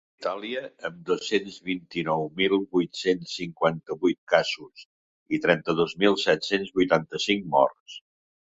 Itàlia, amb dos-cents vint-i-nou mil vuit-cents cinquanta-vuit casos i trenta-dos mil set-cents vuitanta-cinc morts.